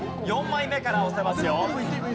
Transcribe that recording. ４枚目から押せますよ。